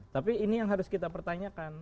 tapi ini yang harus kita pertanyakan